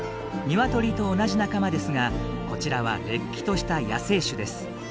ニワトリと同じ仲間ですがこちらはれっきとした野生種です。